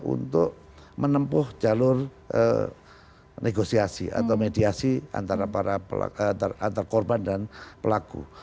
untuk menempuh jalur negosiasi atau mediasi antara korban dan pelaku